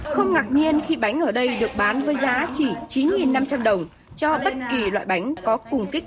không ngạc nhiên khi bánh ở đây được bán với giá chỉ chín năm trăm linh đồng cho bất kỳ loại bánh có cùng kích